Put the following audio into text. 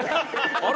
あれ？